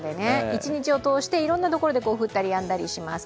一日を通していろいろなところで降ったりやんだりします。